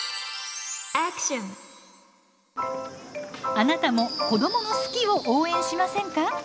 あなたも子どもの好きを応援しませんか？